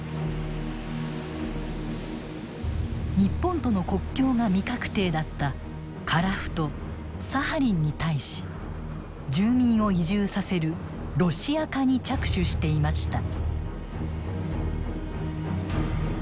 日本との国境が未確定だった樺太サハリンに対し住民を移住させるロシア化に着手していました。